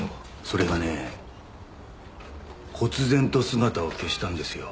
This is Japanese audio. それがね忽然と姿を消したんですよ。